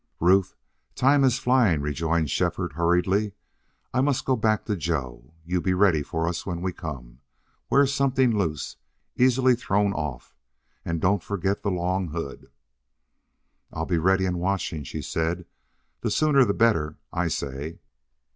"Ruth, time is flying," rejoined Shefford, hurriedly. "I must go back to Joe. You be ready for us when we come. Wear something loose, easily thrown off, and don't forget the long hood." "I'll be ready and watching," she said. "The sooner the better, I'd say."